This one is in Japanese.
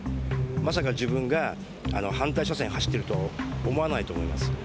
まさか自分が反対車線を走っているとは思わないと思います。